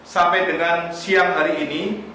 sampai dengan siang hari ini